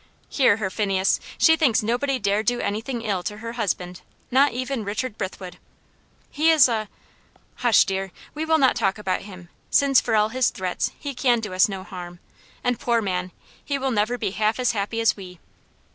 "Hear her, Phineas! She thinks nobody dare do anything ill to her husband not even Richard Brithwood." "He is a " "Hush, dear! we will not talk about him; since, for all his threats, he can do us no harm, and, poor man! he never will be half as happy as we."